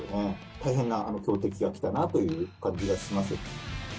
大変な強敵が来たなという感じがします。